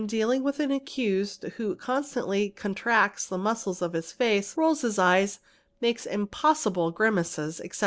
33 258 THE EXPERT q dealing with an accused who constantly contracts the muscles of his face, — rolls his eyes, makes impossible grimaces, etc.